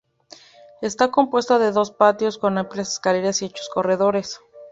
Está compuesto de dos patios con amplias escaleras y anchos corredores.